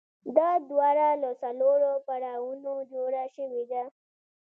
دا دوره له څلورو پړاوونو جوړه شوې ده